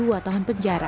selama dua tahun penjara